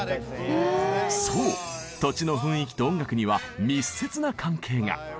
そう土地の雰囲気と音楽には密接な関係が。